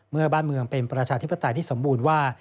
เมื่อบ้านเมืองเป็นประชาธิปไตยที่สมบูรณ์ว่า